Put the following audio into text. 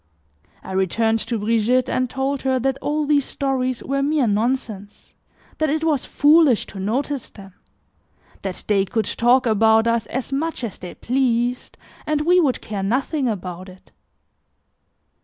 I returned to Brigitte and told her that all these stories were mere nonsense, that it was foolish to notice them; that they could talk about us as much as they pleased and we would care nothing about it.